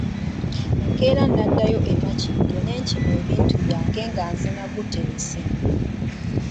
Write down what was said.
Enkeera naddayo e Makindye ne nkima ebintu byange nga nzina gunteese.